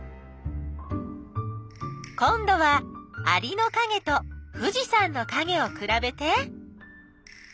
今どはアリのかげと富士山のかげをくらべて？